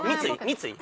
三井？